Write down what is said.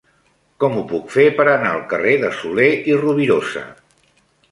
Com ho puc fer per anar al carrer de Soler i Rovirosa?